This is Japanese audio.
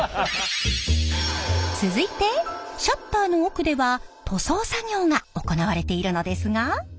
続いてシャッターの奥では塗装作業が行われているのですが。